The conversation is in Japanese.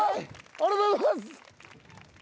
ありがとうございます！